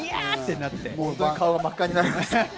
顔、真っ赤になりました。